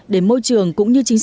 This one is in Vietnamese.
để môi trường cũng như chính sách